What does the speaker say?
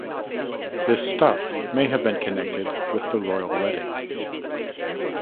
This "stuff" may have been connected with the royal wedding.